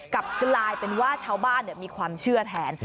กลับกลายเป็นว่าชาวบ้านมีความเชื่อแทน